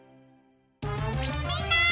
みんな！